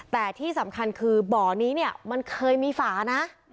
แต่ที่สำคัญคือบ่อนี้เนี่ยมันเคยมีฝานะ